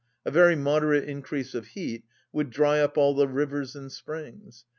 A very moderate increase of heat would dry up all the rivers and springs.